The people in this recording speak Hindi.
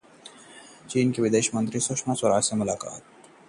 चीन के विदेश मंत्री ने सुषमा स्वराज से की मुलाकात